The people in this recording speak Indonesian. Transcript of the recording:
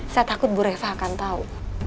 saya takut bu reva akan tahu